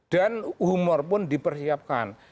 dan humor pun dipersiapkan